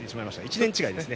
１年違いです。